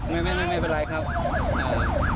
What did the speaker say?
ไม่เป็นไรครับ